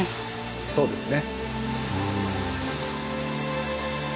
そうですね。